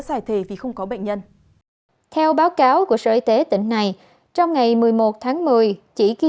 giải thề vì không có bệnh nhân theo báo cáo của sở y tế tỉnh này trong ngày một mươi một tháng một mươi chỉ ghi